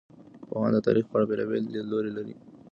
پوهان د تاریخ په اړه بېلابېل لیدلوري لري.